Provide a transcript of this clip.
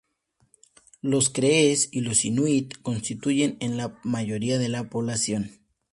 Los crees y los inuit constituyen la mayoría de la población.